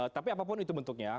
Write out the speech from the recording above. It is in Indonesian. tapi apapun itu bentuknya